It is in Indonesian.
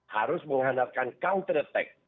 harus mengandalkan counter attack